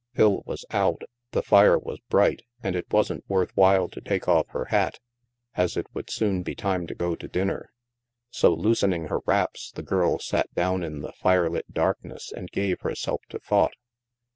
Phil was out, the fire was bright, and it wasn't worth while to take off her hat, as it would soon be time to go to dinner. So, loosening her wraps, the girl sat down in the firelit darkness and gave herself to thought.